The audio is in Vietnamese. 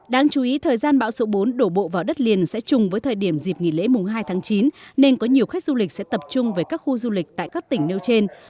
đáng chú ý thời gian bão số bốn đổ bộ vào đất liền sẽ chung với thời điểm dịp nghỉ lễ mùng hai tháng chín nên có nhiều khách du lịch sẽ tập trung về các khu du lịch tại các tỉnh nêu trên